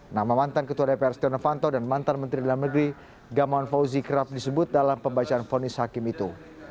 nama mantan ketua dpr setia novanto dan mantan menteri dalam negeri gamawan fauzi kerap disebut dalam pembacaan fonis hakim itu